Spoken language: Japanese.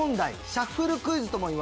シャッフルクイズともいわれ